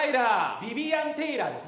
ビビアン・テイラーです。